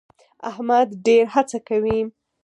احمد ډېر هڅه کوي.